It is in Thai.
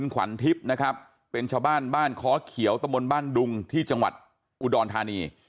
ขวัญทิพย์นะครับเป็นชาวบ้านบ้านคอเขียวตะมนต์บ้านดุงที่จังหวัดอุดรธานี